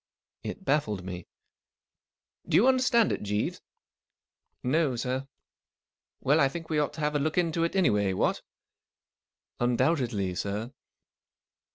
It baffled me. " Do vou understand it, Jeeves ? ,l " No, sir." " Well, I think we ought to have a look into it, anyway, what ?"" Undoubtedly, sir."